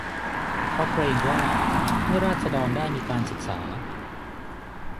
เพราะเกรงว่า เมื่อราษฎรได้มีการศึกษา